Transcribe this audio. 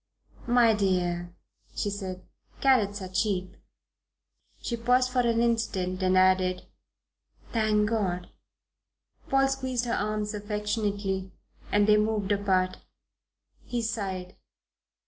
"My dear," she said, "carrots are cheap." She paused for an instant and added, "Thank God!" Paul squeezed her arms affectionately and they moved apart. He sighed.